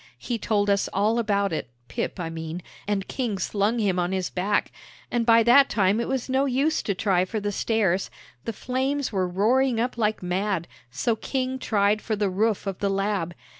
He told us all about it, Pip, I mean, and King slung him on his back, and by that time it was no use to try for the stairs; the flames were roaring up like mad, so King tried for the roof of the 'Lab.'